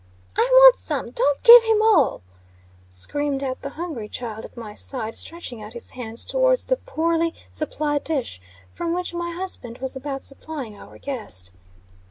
"I want some! Don't give him all!" screamed out the hungry child at my side, stretching out his hands towards the poorly supplied dish, from which my husband was about supplying our guest.